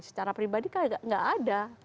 secara pribadi tidak ada